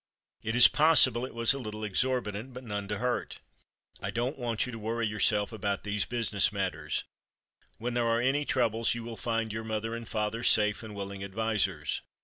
It is possible it was a little exorbitant, but none to hurt. I don't want you to worry yourself about these business matters. Where there are any troubles you will find your mother and father safe and willing advisers.